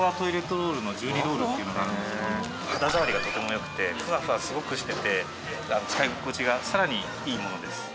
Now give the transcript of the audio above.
肌触りがとても良くてフワフワすごくしていて使い心地がさらにいいものです。